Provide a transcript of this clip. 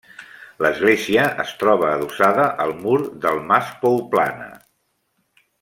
L'església es troba adossada al mur del Mas Pouplana.